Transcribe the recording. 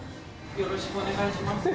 よろしくお願いします。